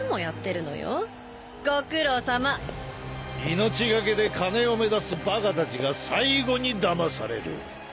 命懸けで金を目指すバカたちが最後にだまされる。